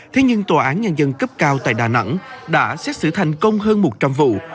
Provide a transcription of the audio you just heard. thế nhưng tòa án nhân dân cấp cao tại đà nẵng đã xét xử thành công hơn một trăm linh vụ